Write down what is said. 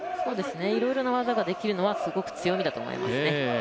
いろいろな技ができるのはすごく強みだと思いますね。